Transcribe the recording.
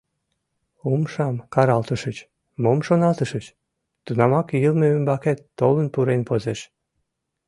Умшам каралтышыч, мом шоналтышыч — тунамак йылме ӱмбакет толын пурен возеш.